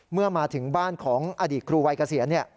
เมื่อมาถึงบ้านของอดีตครูวัยเกษียณ